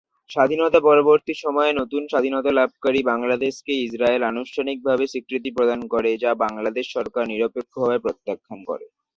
স্বাধীনতা পরবর্তী সময়ে নতুন স্বাধীনতা লাভকারী বাংলাদেশকে ইসরায়েল আনুষ্ঠানিকভাবে স্বীকৃতি প্রধান করে, যা বাংলাদেশ সরকার নিরপেক্ষভাবে প্রত্যাখ্যান করে।